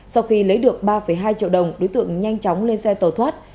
sau khi lấy được ba hai triệu đồng đối tượng nhanh chóng lên xe tàu thoát